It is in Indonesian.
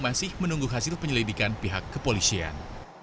masih menunggu hasil penyelidikan pihak kepolisian